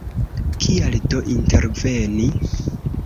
Kial do interveni?